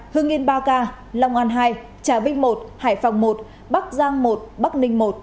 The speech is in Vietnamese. hương yên ba ca long an hai trà vinh một hải phòng một bắc giang một bắc ninh một